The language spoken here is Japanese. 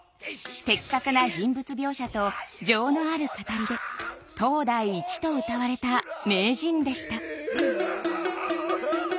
的確な人間描写と情のある語りで「当代一」とうたわれた名人でした。